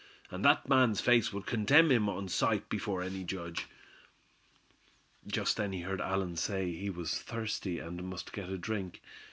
And that man's face would condemn him on sight before any judge." Just then he heard Allan say he was thirsty, and must get a drink.